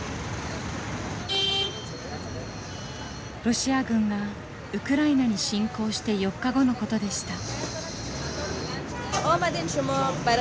ロシア軍がウクライナに侵攻して４日後のことでした。